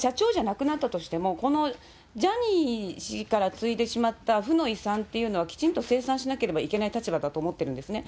きちんとジュリーさんは、今回、辞任は避けられないとしても、社長じゃなくなったとしても、このジャニー氏から継いでしまった負の遺産っていうのは、きちんと清算しなければいけない立場だと思ってるんですね。